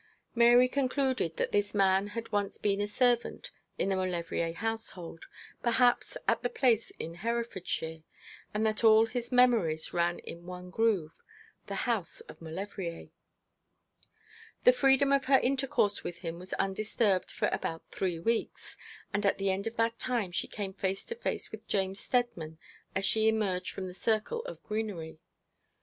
Mary concluded that this man had once been a servant in the Maulevrier household, perhaps at the place in Herefordshire, and that all his old memories ran in one groove the house of Maulevrier. The freedom of her intercourse with him was undisturbed for about three weeks; and at the end of that time she came face to face with James Steadman as she emerged from the circle of greenery.